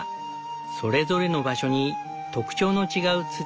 それぞれの場所に特徴の違う土がある。